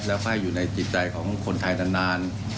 แล้วให้อยู่ในจิตใจของคนไทยนาน